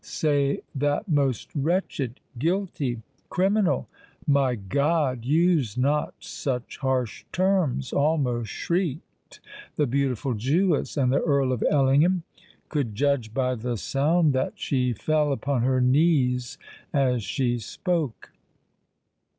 Say that most wretched—guilty—criminal——" "My God! use not such harsh terms!" almost shrieked the beautiful Jewess; and the Earl of Ellingham could judge by the sound that she fell upon her knees as she spoke.